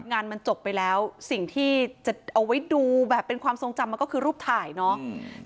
งานมันจบไปแล้วสิ่งที่จะเอาไว้ดูแบบเป็นความทรงจำมันก็คือรูปถ่ายเนาะ